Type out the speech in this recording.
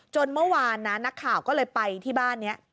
เมื่อวานนะนักข่าวก็เลยไปที่บ้านนี้